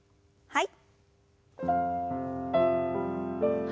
はい。